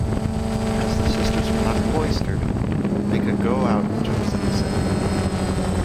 As the sisters were not cloistered, they could go out to visit the sick.